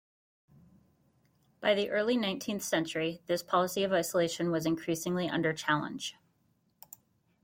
By the early nineteenth century, this policy of isolation was increasingly under challenge.